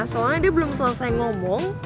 soalnya dia belum selesai ngomong